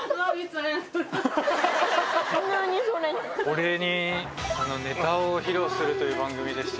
お礼にネタを披露するという番組でしていいですか？